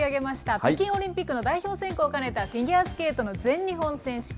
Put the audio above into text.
北京オリンピックの代表選考を兼ねたフィギュアスケートの全日本選手権。